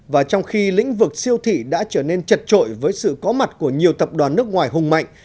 và trong khi lĩnh vực siêu thị đã trở nên chật trội với sự có mặt của nhiều tập đoàn nước ngoài hùng mạnh